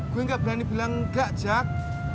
gue gak berani bilang enggak jak